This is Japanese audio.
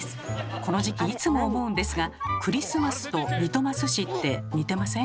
この時期いつも思うんですが「クリスマス」と「リトマス紙」って似てません？